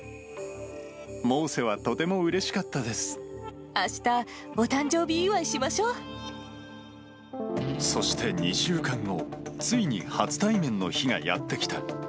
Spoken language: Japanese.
モーセはとてもうれしかったあした、そして２週間後、ついに初対面の日がやって来た。